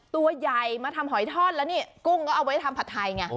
ตัวใหญ่มาทำหอยทอดแล้วนี่กุ้งก็เอาไว้ทำผัดไทยไง